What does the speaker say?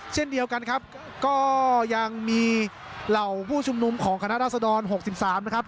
เช่นเดียวกันครับก็ยังมีเหล่าผู้ชุมนุมของคณะราษฎร๖๓นะครับ